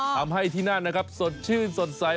ทำให้ที่นั่นสดชื่นสดใส